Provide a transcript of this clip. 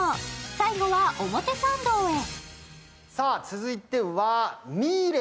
最後は表参道へ。